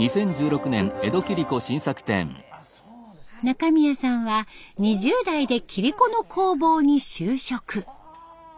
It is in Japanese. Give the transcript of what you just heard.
中宮さんは２０代で切子の工房に就職。